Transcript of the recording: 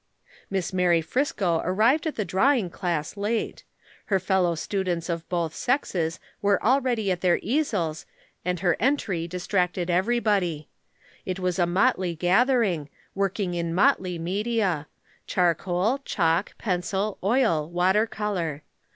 Miss Mary Friscoe arrived at the Drawing Class late. Her fellow students of both sexes were already at their easels and her entry distracted everybody. It was a motley gathering, working in motley media charcoal, chalk, pencil, oil, water color.